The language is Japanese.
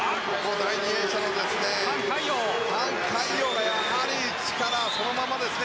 第２泳者のタン・カイヨウがやっぱり力そのままですね。